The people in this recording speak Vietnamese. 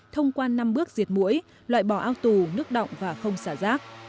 thông qua năm bước diệt muỗi loại bỏ ao tù nước đọng và không xả rác